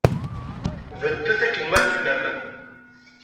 Beddet akken ma tellam.